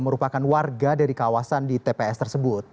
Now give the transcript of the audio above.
merupakan warga dari kawasan di tps tersebut